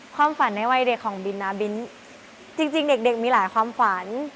ความฝันในวัยเด็กของบินนะบินจริงเด็กมีหลายความฝัน